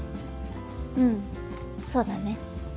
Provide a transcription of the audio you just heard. うんそうだね。